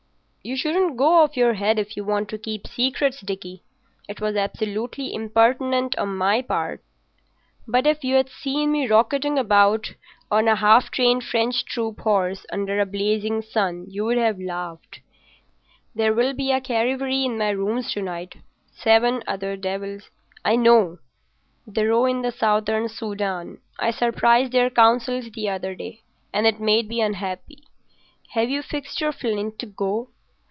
"You shouldn't go off your head if you want to keep secrets, Dickie. It was absolutely impertinent on my part; but if you'd seen me rocketing about on a half trained French troop horse under a blazing sun you'd have laughed. There will be a charivari in my rooms to night. Seven other devils——" "I know—the row in the Southern Soudan. I surprised their councils the other day, and it made me unhappy. Have you fixed your flint to go?